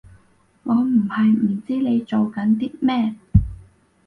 我唔係唔知你做緊啲咩